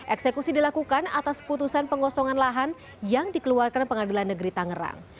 eksekusi dilakukan atas putusan pengosongan lahan yang dikeluarkan pengadilan negeri tangerang